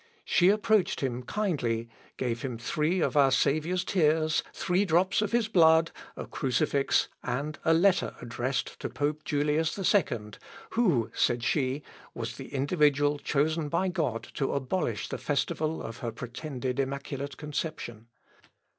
She approached him kindly, gave him three of our Saviour's tears, three drops of his blood, a crucifix, and a letter addressed to Pope Julius II, "who," said she, "was the individual chosen by God to abolish the festival of her pretended immaculate conception."